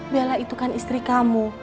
bella itu kan istri kamu